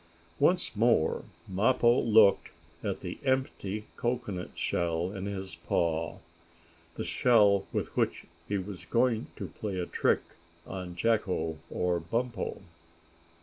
Once more Mappo looked at the empty cocoanut shell in his paw the shell with which he was going to play a trick on Jacko or Bumpo.